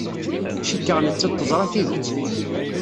Cikkeɣ nettat teẓra tidet.